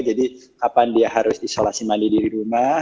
jadi kapan dia harus isolasi mandiri di rumah